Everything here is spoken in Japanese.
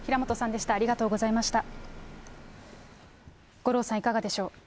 五郎さん、いかがでしょう。